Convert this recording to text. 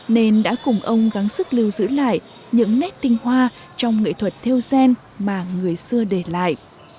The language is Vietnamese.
nên đã cùng ông gắn sức lưu giữ lại những nét tinh hoa trong nghệ thuật theo gen mà người xưa để lại